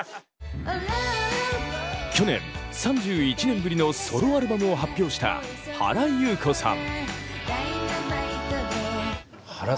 去年３１年ぶりのソロアルバムを発表した原由子さん。